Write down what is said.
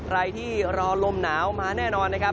รอที่รอลมหนาวมาแน่นอนนะครับ